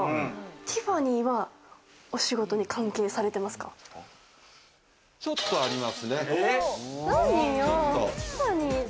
ティファニーはお仕事にちょっとありますね。